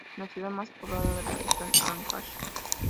Es la ciudad más poblada de la región Áncash.